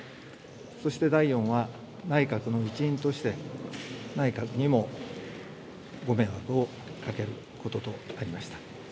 そして第４は、内閣の一員として、内閣にもご迷惑をかけることとなりました。